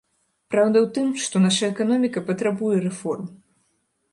Праўда ў тым, што наша эканоміка патрабуе рэформ.